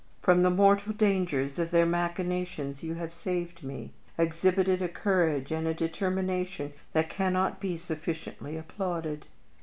From the mortal dangers of their machinations you have saved me, exhibiting a courage and a determination that cannot be sufficiently applauded.